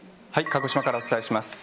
鹿児島からお伝えします。